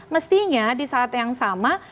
mestinya di saat yang sama